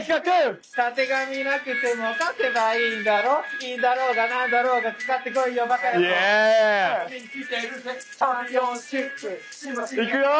たてがみなくても勝てばいいんだろ韻だろうが何だろうが使ってこいよばか野郎いくよ！